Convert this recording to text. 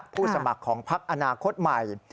ผู้สมัครของพักอนาคตใหม่